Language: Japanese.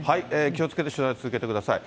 気をつけて取材を続けてください。